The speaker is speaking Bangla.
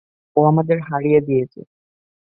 ও আমাদের হারিয়ে দিয়েছে।